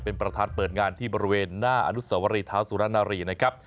เป็นประธานเปิดงานที่บริเวณหน้าอนุสวรีเท้าสุรนารีนะครับ